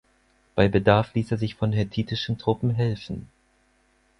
Bei Bedarf ließ er sich von hethitischen Truppen helfen.